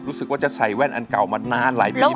รู้สึกว่าจะใส่แว่นอันเก่ามานานหลายปี